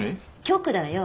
局だよ。